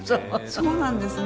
そうなんですね。